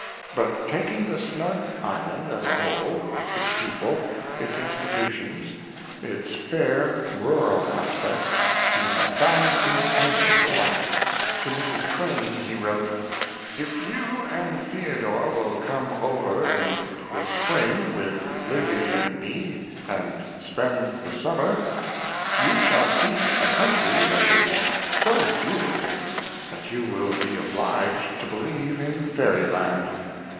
] but taking the snug island as a whole, its people, its institutions, its fair, rural aspects, he had found in it only delight. To Mrs. Crane he wrote: If you and Theodore will come over in the spring with Livy and me, and spend the summer, you shall see a country that is so beautiful that you will be obliged to believe in fairy land.